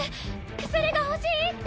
薬が欲しいって。